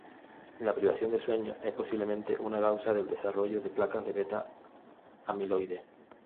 La privación de sueño es posiblemente una causa del desarrollo de placas de Beta-amiloide.